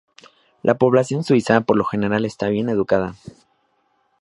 La población suiza por lo general está bien educada.